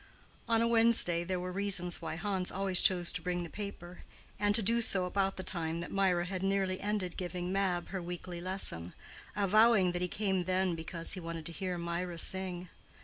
On a Wednesday, there were reasons why Hans always chose to bring the paper, and to do so about the time that Mirah had nearly ended giving Mab her weekly lesson, avowing that he came then because he wanted to hear Mirah sing.